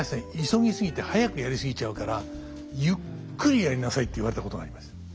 急ぎ過ぎて早くやり過ぎちゃうからゆっくりやりなさい」って言われたことがあります。